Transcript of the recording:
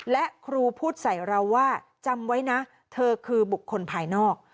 และครูพูดใส่เราว่าจำไว้นะเธอคือบุคคลภายนอก